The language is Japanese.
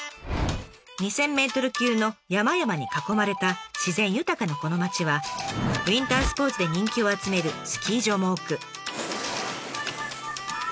２，０００ｍ級の山々に囲まれた自然豊かなこの町はウインタースポーツで人気を集めるスキー場も多く。